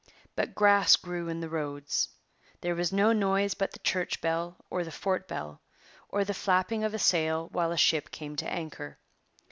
But grass grew in the roads. There was no noise but the church bell or the fort bell, or the flapping of a sail while a ship came to anchor.